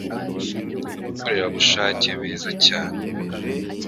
abakorerabushake beza cyane